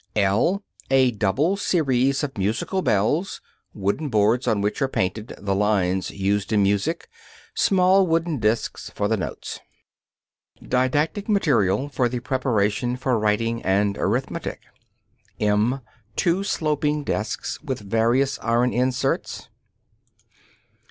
(l) A double series of musical bells, wooden boards on which are painted the lines used in music, small wooden discs for the notes. Didactic Material for the Preparation for Writing and Arithmetic (m) Two sloping desks and various iron insets.